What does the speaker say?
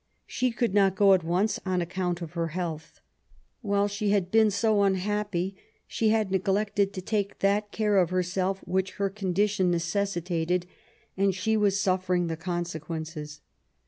She could not go at once on account of her health. While she had been so unhappy^ she had neglected to take that care of herself which her condition necessitated^ and she was suffering the consequences.